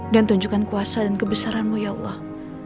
tunjukkan kuasa dan kebesaranmu ya allah